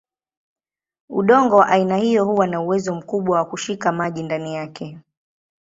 Udongo wa aina hiyo huwa na uwezo mkubwa wa kushika maji ndani yake.